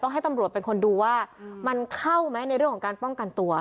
ให้ตำรวจเป็นคนดูว่ามันเข้าไหมในเรื่องของการป้องกันตัว